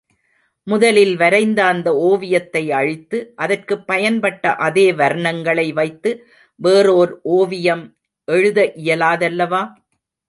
முதலில் வரைந்த அந்த ஒவியத்தை அழித்து, அதற்குப் பயன்பட்ட அதே வர்ணங்களை வைத்து வேறோர் ஒவியம் எழுத இயலாதல்லவா?